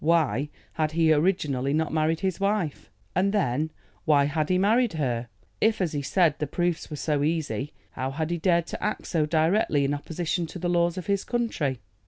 Why had he originally not married his wife? And then, why had he married her? If, as he said, the proofs were so easy, how had he dared to act so directly in opposition to the laws of his country?